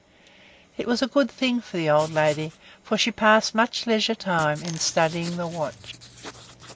It was a good thing for the old lady; for she passed much leisure time in studying the watch.